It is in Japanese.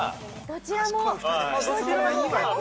◆どちらも？